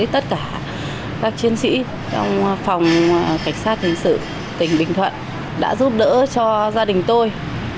mình rất thấu sắc với tất cả các chiến sĩ trong phòng cảnh sát tiến sử tỉnh bình thuận đã giúp đỡ cho gia đình tôi